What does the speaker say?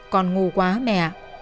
con ngu quá mẹ